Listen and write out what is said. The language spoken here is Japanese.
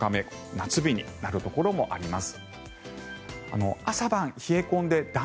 夏日になるところもあります。